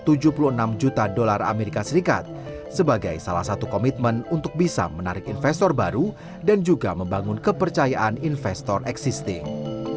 dan juga membagikan dividen sekitar tujuh puluh enam juta usd sebagai salah satu komitmen untuk bisa menarik investor baru dan juga membangun kepercayaan investor existing